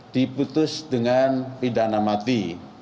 diputus dengan pidana mati